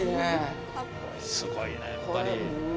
すごいなやっぱり。